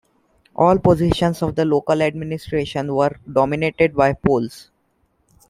All positions of the local administration were dominated by Poles.